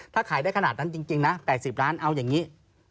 ถ้าขายได้ขนาดนั้นจริงนะ๘๐ล้านเอาอย่างนี้